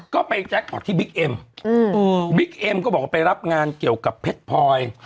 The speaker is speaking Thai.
ก็ไปแจ็คพอร์ตที่บิ๊กเอ็มบิ๊กเอ็มก็บอกว่าไปรับงานเกี่ยวกับเพชรพลอย